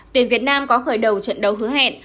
tuyển việt nam có khởi đầu trận đấu hứa hẹn